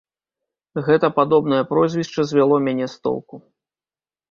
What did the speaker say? Гэта падобнае прозвішча звяло мяне з толку.